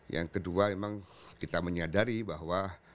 yang kedua emang kita menyadari bahwa